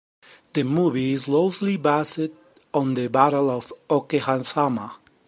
The movie is loosely based on The Battle of Okehazama.